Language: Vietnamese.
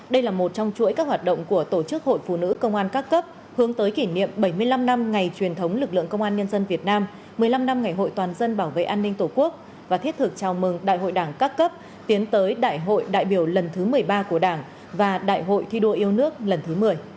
đây là một trong chuỗi các hoạt động của tổ chức hội phụ nữ công an các cấp hướng tới kỷ niệm bảy mươi năm năm ngày truyền thống lực lượng công an nhân dân việt nam một mươi năm năm ngày hội toàn dân bảo vệ an ninh tổ quốc và thiết thực chào mừng đại hội đảng các cấp tiến tới đại hội đại biểu lần thứ một mươi ba của đảng và đại hội thi đua yêu nước lần thứ một mươi